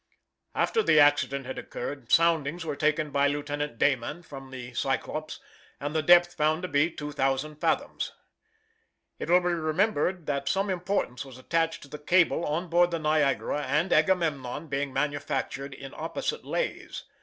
After the accident had occurred, soundings were taken by Lieutenant Dayman from the Cyclops, and the depth found to be 2,000 fathoms. It will be remembered that some importance was attached to the cable on board the Niagara and Agamemnon being manufactured in opposite lays.